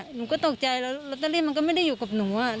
หนูก็ตกใจแล้วลอตเตอรี่มันก็ไม่ได้อยู่กับหนู